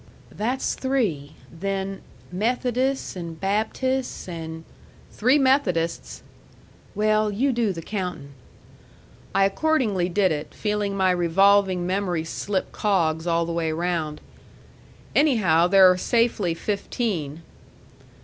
"That's three. Then Methodists and Baptists, and " "Three Methodists!" "Well, you do the countin'." I accordingly did it, feeling my revolving memory slip cogs all the way round. "Anyhow, there are safely fifteen."